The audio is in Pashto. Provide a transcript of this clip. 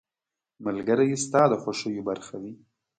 • ملګری ستا د خوښیو برخه وي.